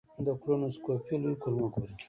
د کولونوسکوپي لوی کولمه ګوري.